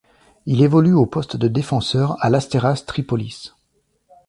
Il évolue au poste de défenseur à l'Asteras Tripolis.